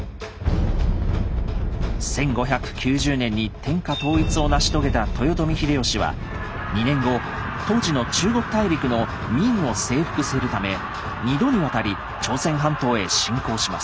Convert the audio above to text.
１５９０年に天下統一を成し遂げた豊臣秀吉は２年後当時の中国大陸の明を征服するため２度にわたり朝鮮半島へ侵攻します。